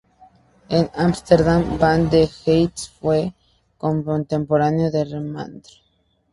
En Ámsterdam, Van der Heist fue contemporáneo de Rembrandt.